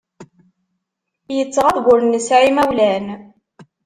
Yettɣaḍ w'ur nesɛi imawlan.